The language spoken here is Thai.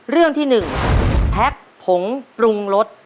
เรื่องที่๑แพ็คผงปรุงรส